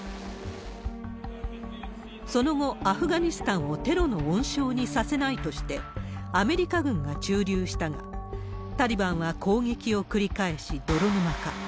その後、アフガニスタンをテロの温床にさせないとして、アメリカ軍が駐留したが、タリバンは攻撃を繰り返し、泥沼化。